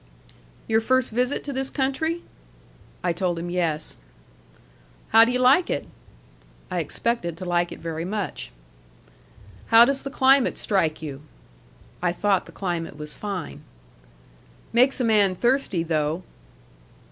"Your first visit to this country?" I told him yes. "How do you like it?" I expected to like it very much. "How does the climate strike you?" I thought the climate was fine. "Makes a man thirsty though."